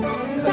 for yang hijau